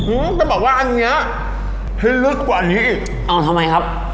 อืมต้องบอกว่าอันเนี้ยให้ลึกกว่านี้อีกเอาทำไมครับ